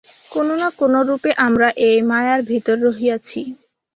কোন না কোনরূপে আমরা এই মায়ার ভিতর রহিয়াছি।